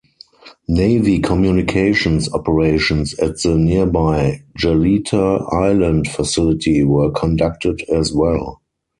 Navy communications operations at the nearby Galeta Island facility were conducted as well.